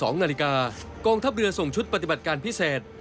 ๒นาฬิกากองทัพเรือส่งชุดปฏิบัติการพิเศษ